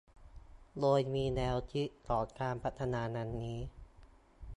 โดยมีแนวคิดของการพัฒนาดังนี้